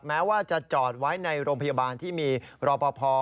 แม้ว่าจะจอดไว้ในโรงพยาบาลที่มีรอปภ